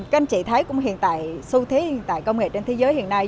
các anh chị thấy xu thế hiện tại công nghệ trên thế giới hiện nay